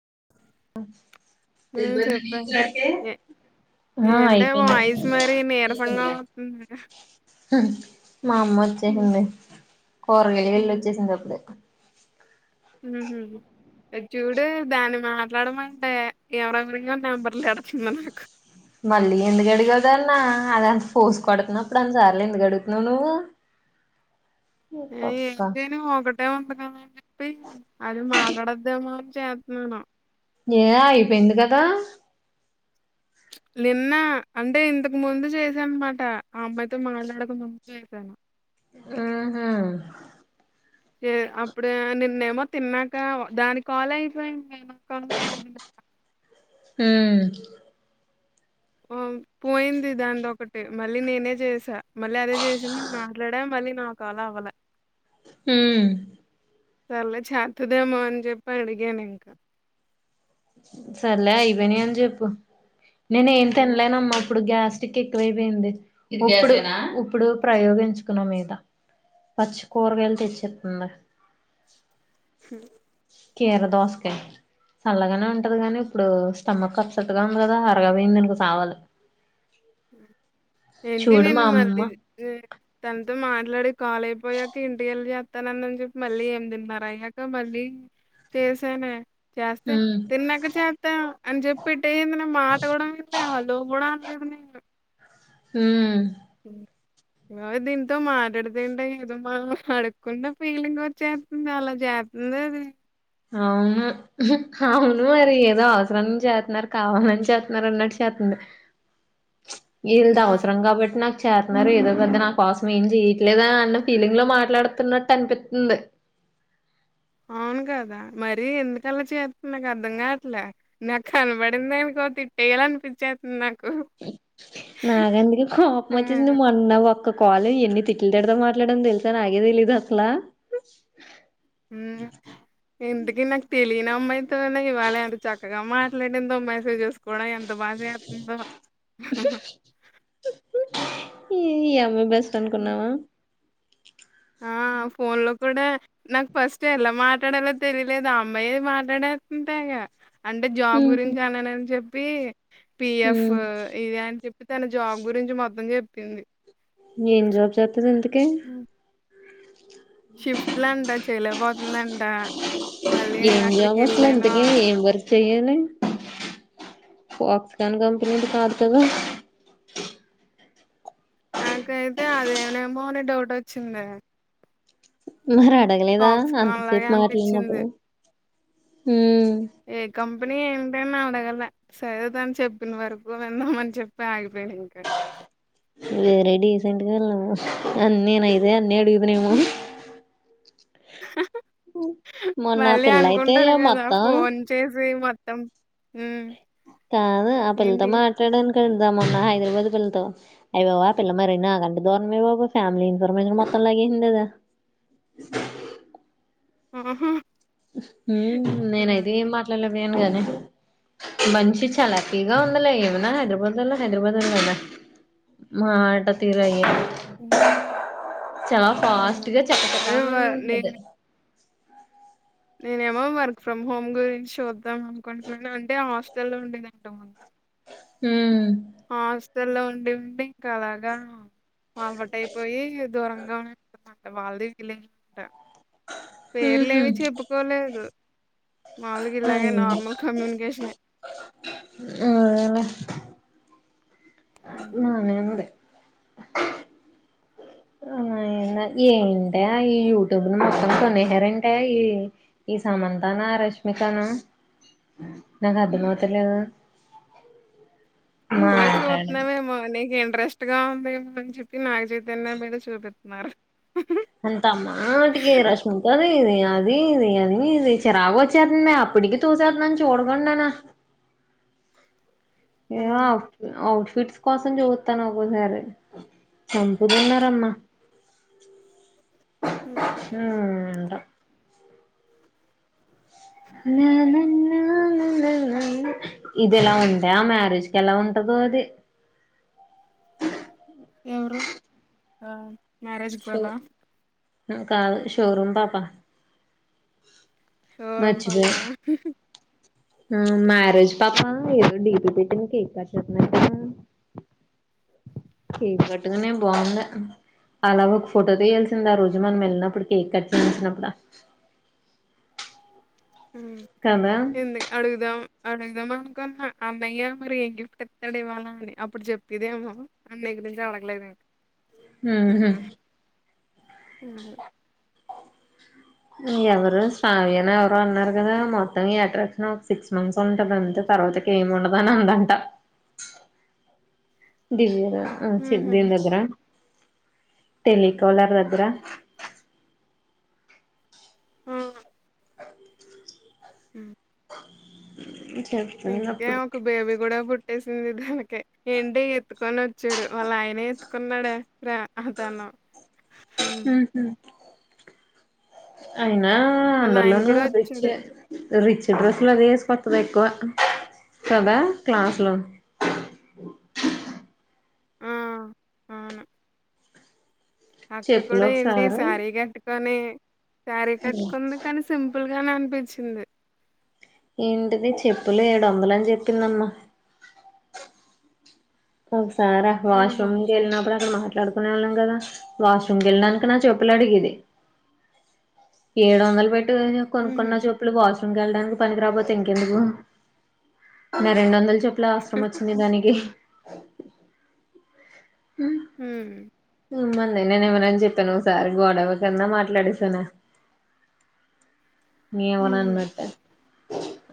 [inaudible] హ్మ్. చెప్పా. ఎ ఆ ఏంటే వాయిస్ అయిపోయింది మరి నీరసంగా వత్తుంది. [inaudible] మా అమ్మ హ్మ్. వచ్చేసింది కూరగాయలికి వెళ్ళి వచ్చేసింది అప్పుడే ఉహ్ అది చూడు దాన్ని మాట్లాడమంటే ఎవరెవరివో నంబర్లు ఎడతుంది నాకు మళ్ళీ ఎందుకు అడిగావ్ దా అన్న అదంత ఫోజ్ కొడుతున్నప్పుడు అన్నిసార్లు ఎందుకు అడుగుతున్నావు నువ్వు ఏ పక్క ఇట్లనే పోగొట్టు టే ఉంటదే ఇంత పి అది మాట్లాడద్దేమొనని తేప్ నేను ఏ అయిపోయింది కదా నిన్న అంటే ఇంతకు ముందు చేసానన్నమాట ఆ అమ్మాయితో మాట్లాడక ముందు చేశాను ఆహా దేర్ అప్పుడు నిన్నేమో తిన్నాక దాని కాల్ అయిపోయింది కాల్ అ హ ఆ పోయింది దానిది ఒకటి మళ్ళీ నేనే చేసా మళ్ళీ అదే చేసింది మాట్లాడా మళ్ళీ నా కాల్ అవ్వలె హ సర్లే చేత్తదేమో అని చెప్పి అడిగాను ఇంకా సర్లే అయిపోయిననిచెప్పు నేను ఏం హ్మ్ తినలేనమ్మా ఇప్పుడు గ్యాస్ ప్లాస్టిక్ ఎక్కువైపోయింది ఇది గ్యాసేన ఇప్పుడు-ఇప్పుడు ప్రయోగించుకున్న మీద పచ్చి కూరగాయలు తెచ్చిఇతుంది హ కీర దోసకాయి చల్లగానే ఉంటది గానీ ఇప్పుడు స్టమక్ అప్సెట్ ఉంది కదా అరగలేదనుకో సావాలి ఏంటి చూడు మా నేను అమ్మ మళ్ళీ తన మాట్లాడి కాలయిపోయాక ఇంటికెళ్ళి చేస్తానందని చెప్పి మళ్ళీ ఏనిమిదిన్నర అయ్యాక మళ్ళీ చేసానే చేస్తే ఉమ్ తిన్నాక చేస్తా అని చెప్పి పెట్టేసింది నే మాట కూడా వినలే హలో కూడా అనలేదు నేను ఉమ్ అ దీంతో మాట్లాడుతుంటే ఏదో మనం అడుకున్న ఫీలింగ్ వచ్చేస్తుంది అలా చేస్తుందే అది అవును అవును మరి ఏదో అవసరానికి చేస్తున్నారు కావాలని చేస్తున్నారు అన్నట్టు చేస్తుంది వీళ్లతో ఆ అవసరం గాబట్టి నాకు చేతున్నారు ఏదో పెద్ద నా కోసం ఏం చెయట్లేదనన్న ఫీలింగ్ లో మాట్లాడుతున్నట్టు అనిపిత్తుంది అవును కదా మరీ ఎందుకలా చేస్తుంది నాకు అర్ధం కావట్ల నాకు కనబడిందనకో తిట్టేయాలి అనిపిచ్చేస్తుంది నాకు నాగందుకి కోపం ఆ వచ్చేసివు మన్న ఒక కాలు ఎన్ని తిట్లు తిడత మాట్లాడని తెలిసాను అగే తెలీదు అసలా ఊ ఎంటి ఇ నాకు తెలియని అమ్మాయితో ఇవ్వాల అడు చక్కగా మాట్లాడేందో మెసేజె కూడా ఎంత బా జేతుందో ఇ ఇ అమే బస్ తనుకున్నావా ఆ ఫోన్ లో కూడా నాకు ఫస్ట్ ఎలా మాట్లాడాలో తెలిలేదు ఆ అమ్మాయి మాట్లాడంటాగా అంటే జాబ్ ఉహు గురించి అన్నన్ చెప్ప పే పిఎఫ్ ఉమ్ ఇది అని చెప్పి తన జాబ్ గురించి మొత్తం చె పింది ఎమ్ జబ్ చె తా ఎంతకే షిఫ్ట్ల్యాండ్ చేయలేపోతుందంట ఇండియాలో అసల్ ఇంథాకి ఎమ్ వర్కె చెయాని పాప్‌కార్న్ కంపనీ ది కాధు కదా నాకైతే అదేమమో అని డౌట్ వచ్చింది మరి అడగలేదా అంతసేపు అనిపిచ్చింది. మాట్లాడినప్పుడు కంపనీ ఏంటని అవడగల సరేదని చెప్పిన వరకు విందామ అని చెప్పి ఆగిపోయాడు ఇంకా వేరే రీసెంట్ గా వెళ్ళాము అన్ని నయి ఏ నేడు ఇధెనెమో అని హా హా హా మొన్న ఆ మళ్ళీ పిల్ల అయితే అనుకుంటారు కదా మొత్తం ఫోన్ చేసి మ త్తం కాదు ఆ పిల్లతో ఏంటి? మాట్లాడాను వెళ్దాంన్న హైదరాబాద్ పిల్లతో అయి్యాబవా ఆ పిల్ల మరనా ఆ గంట దూరమే బాబ ఫ్యామిలీ ఇన్ఫర్మేషన్ మొత్తం లాగ అయింది కదా ఆహ ఉమ్ నేన అయితే ఏం మాట్లాడలే అనుగాని మంచి చలాకీగా ఉందలే ఏమనా హైదరాబాద్ వల్ల హైదరాబాద్ వద మాట తీర అ్య ఉమ్ చాలా ఫాస్ట్ గా అదే వ చక్కచకంని ఉంటది నేను నేనేమో వర్క్ ఫ్రమ్ హోమ్ గురించి చూద్దాం అనుకుంటన్నాను అంటే హాస్టల్లో లో ఉండేదంట ముందు ఊ హాస్టల్లో ఉండి ఉండి ఇంకా అలాగా అలవాటయిపోయి దూరంగా ఉ వాళ్ళది వీలింగ్ ఉంట ఊహూ పేర్లేమి చెప్పుకోలేదు మాములుగా ఇలాగే నార్మల్ కమ్యూనికేషన్ ఏ అదేలే నా నేనుడే ఏంటే ఈ యూట్యూబ్ ను మొత్తం కొనేసారంటే ఈ ఈ సమంతానా రష్మికను నాకు అర్థంమవుతలేదు ను్వే చుతున్నావేమో నీకే ఇ రెస్ట్ గా ఉందేమో అని చెప్పి నాగ చైతన్య మీద చూపిస్తున్నారు అంతమాటికీ రష్మిక ది ఇదే ఇ అది ఇది అది ఇది చిరాగోచితందే నే అప్పటికి చూసెతను చూడకుండానా ఆ ఏ అప్ ఒప్ ఫిట్స్ కోసం చూతన ఒక్కోసారి చంపుతున్నారమ్మా ఊ ఏంటో ఇది ఎలా ఉంటే ఆ మ్యారేజ్కి ఎలా ఉంటదో అది ఎవరు ఆ మ్యరేజ్ పోల హుమ్ కాదు షో రూమ్ పాపా చోరం పాప ఊ మ్యారేజ్ పాప ఏమో డీప్ చీర్ కట్టకనే బాగుందే అలాగ ఒక ఫోటో తీయల్సింద ఆ రోజు మనం వెళ్ళినప్పుడు కేక్ కచెయించినప్పుడు కదా ఎందు అడుగుదాం అడుగుదామ అనుకున్న అన్నయ్య మరి ఏం గిఫ్ట్ ఎతడు ఇవ్వాల అని అప్పుడు చెప్పదేమో అన్న గురించి అడగలేదడి హ్మ్ హు ఆ ఎవరు శ్రావ్యని ఎవరు అన్నారు కదా మొత్తం అట్రాక్షన్ ఒక సిక్స్ మంత్స్ ఉంటంది అంతే తర్వాతకి ఏమి ఉండదు అని అందంట దివ్య ఆ ఆ చి దీందగ్ర టెలికాలర్ రద్ర ఆ ఉ అ [unintelligible] ఇంకె ఒక బేబీ కూడా పుట్ వచ్చేసింది దాకే ఏంటి ఎత్తుకొని వచ్చాడు వాళ్ళ ఆయనే ఎత్తుకున్నాడా రా హతను ఊ అ అయినా వాళ్ళ ఆయన అందరిలోను కూడా రిచ్చే వచ్చాడు రిచ్ డ్రెస్సులు అది వేసుకొత్తది ఎక్కువ కదా క్లాస్ లో ఆ అవును అక్కడ చెప్పులు కూడా ఏంటి ఒకసారి శారీ కట్ కనే శారీ కట్టుకుంది కానీ సింపు ఫుల్గానే అనిపించింది. ఏంటిది చెప్పులే ఏడు ఉమ్. వందలు అని చెప్ తీన్నమ్మా కావుచ్ సార ఆ ఆహా వాష్రూమ్ వెళ్ళినప్పుడు అక్కడ మా పడుకునే వాళ్ళం కదా వాష్రూమ్కి వెళ్ళినదుకు నా చెప్పులు అడిగేది ఏడు వందలు పెట్ నేను ఉహు కొనుక్కున్న చెప్పులు వాష్ పనికి వెళ్డానికి పనికి రాకపోతే ఇంకెందుకు నా రెండు వందలు చెప్ చెప్పులు అవసరం వచ్చింది దానికి. అ హ్మ్ ఉమ్మంది నేను ఇవ్వనని చెప్పాను ఒకసారి గొడవ కింద మాట్లాడేసాను. ని ఏవనా ఉహు అన్నట్ట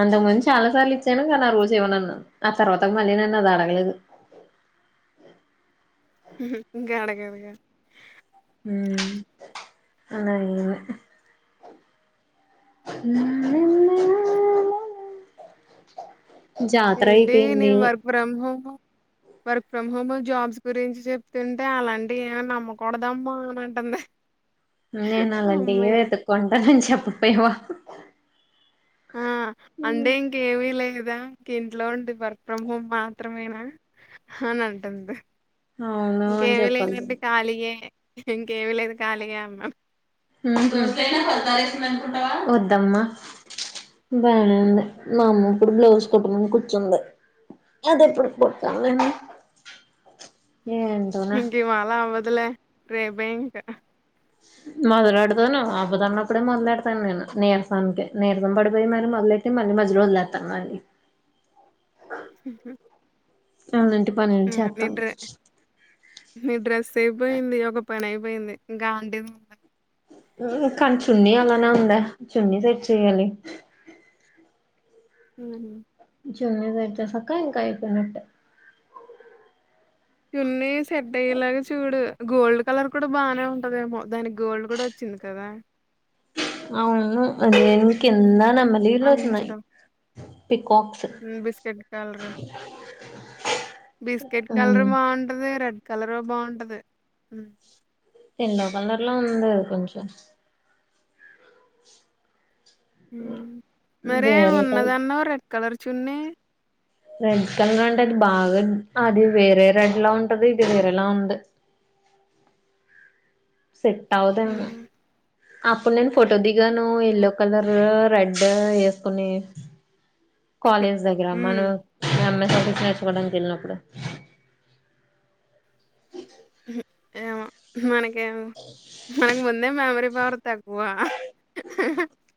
అంతకు ముందు చాలా సార్లు ఇచ్చాను, కా నా ఆరోజు ఇవ్వనన్నాను. ఆ తర్వాత మళ్ళీ నన్ను అది అడగలేదు. హ్మ్ హు ఇంకా అడగదుగా హ్మ్ అలాగే లే ఉ ఉ జాతర ఏంటి అయిపోయింది నేను వర్క్ ఫ్రమ్ హో వర్క్ ఫ్రమ్ అమ్మమ్మ జాబ్స్ గురించి చెప్తుంటే అలాంటివి ఏం నమ్మకూడదమ్మా అని అంటుంది. నేను అలాంటి ఏ అమ్మాయి వెతుక్కుంట చెప్ ముప్పేవ్వా ఆ అంటే ఇంకేమీ లేవు ఇదా ఇంకా ఇంట్లో ఉండి వర్క్ ఫ్రమ్ హోమ్ మాత్రమేనా అని అంటుంది. అవును అని ఇంకేవి చెప్పాల్సింది లేవండి ఖాళీయే. ఇంకేమి లేదు ఖాళీగా అన్నాను హ్మ్ హు వద్దమ్మా బానే ఉంది. మా అమ్మ ఇప్పుడు బ్లౌజ్ కుట్టమని కూర్చుంది. అది ఇప్పుడు కుట్టతను నేను ఇంక ఇవాలా అవదు లే రేపే ఇంక మొదలులేడుతాను ఆపుతానపుడే మొదలులేడతాను నేను నీరసాకే నీరసం పడిపోయి మరి మొదలెట్టి మళ్ళీ మధ్యలో వొదిలేెస్తాను మళ్ళీ అహ అలాంటి పనులు హ్ చేస్తాను నిడ్ర నిడ్రెస్సే పోయింది ఒక పనయిపోయింది గాం [inaudible] హుహ్ కని చున్ని అలానే ఉందే. చున్నీ సెట్ చేయాలి. హుహ్ చున్నీ తెచ్చేసాక ఇంకా అయిపోయినట్టే. చున్నీ సెట్ అయ్యేలాగా చూడు. గోల్డ్ కలర్ కూడా బానే ఉంటదేమో దానికి గోల్డ్ కూడా వచ్చింది కదా. అవును అది హ్ కింద నెమలీలు ఎల్లుతున్నాయి అంచులు పికాక్స్ హ్మ్ బిస్కెట్ కలర్ హ్ కలరు బావుంటది. హు ఎల్లో కలర్లో ఉంది ఇది కొంచెం. హ్ మరే వేరే ఉన్నది టైప్ అన్నవు రెడ్ కలర్ చున్నీ. రెడ్ కలర్ అంటే అది బాగా అది వేరే రెడ్లా ఉంటది. ఇది వేరేలా ఉంది. సెట్ అవదుఎమో హ్మ్ అప్పుడు నేను ఫోటో ది గను ఎల్లో ఓహ్! కలర్ రెడ్ ఎసుకుని కాలేజ్ దగ్గర హ్మ్ మనం ఎం ఎ కట్టింగ్స్ నేర్చుకోడానికి వెళ్ళినప్పుడు అ హు ఏమో మన ఏమో మనకు ముందే మెమొరి [unintelligible] తక్కువా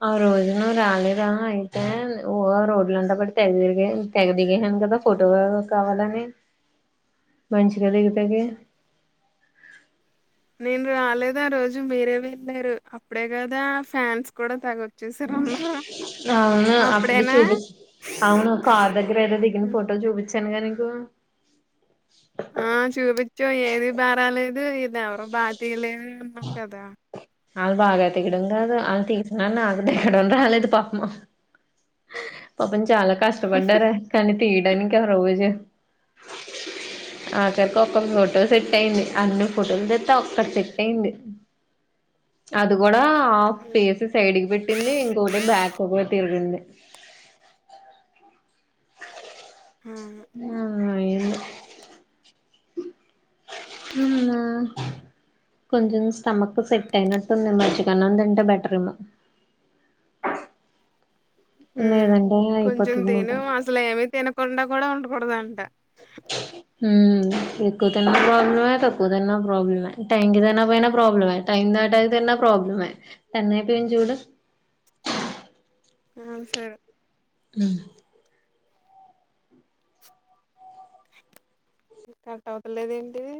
ఆ రోజు నువ్వు రాలేదా అయితే ఒ రోడ్లంతా పడి తెగ దిరిగే [inaudible] తెగ దిగెసాను కదా ఫోటో కావాలని. మంచిగా దిగితే గి నేను రాలేదు ఆ రోజు మీరే వెళ్ళారు. అప్పుడే కదా ఫ్యాన్స్ కూడా తెగ వ అవును అప్పుడు అప్పుడేనా చూపిం అవును కారు దగ్గరా ఎదో దిగిన ఫోటో చూపిం చానుగా నీకు. ఆ చూపిచ్చావు. ఏది బారాలేదు ఇది ఎవరు బాతియలేదు అన్నావ్ కదా. అలు బాగా [inaudible] తీయడం కాదు హ్మ్ ఆల్ తీసి నాకు దేకడం రాలేదు పాపము. పాపం చాలా కష్టపడ్డారం కానీ తీడానికి ఒక రోజు ఆకరికి ఒకప్పు తో సెట్ హ్మ్ అయింది అను ఫోటోలు దెత్త ఒకటి సెట్ అయింది. అది గూడా ఆఫ్ ఫేస సైడ్ కి పెట్టిందీ. ఇంకొకటేం బ్యాక్ కు కూడా తిరిగింది. ఆ! ఆ ఆ నేను అవునా. కొంచం స్టమక్ సెట్ అయినట్టుంది. మజ్జిగ అన్నం తింటే బెటరేమో. ఊ కొంచం తినూ అయిపోతుంది అసల్ ఏమి తినక్ కుండా కూడా ఉండకూడదంట్ ట ఉమ్ క్కువ తిన్నా ప్రాబ్లమే తక్ క్కువ తిన్నా ప్రాబ్లమే, టైంకి తినక పోయినా ప్రాబ్లమే, టైం దాటాయి తిన్నా ప్రాబ్లమే. టెన్ అయిపోయింది చూడు. ఆ సరే ఊ కట్ అవతలేద్ ఏంటి ఇదీ.